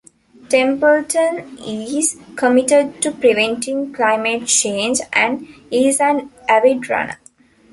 Templeton is committed to preventing climate change, and is an avid runner.